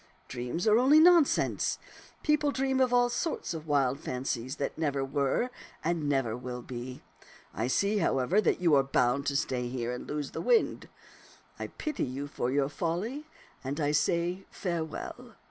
Dreams are only nonsense. People dream of all sorts of wild fancies that never were and never will be. I see, however, that you are bound to stay here and lose the wind. I pity you for your folly, and say farewell.'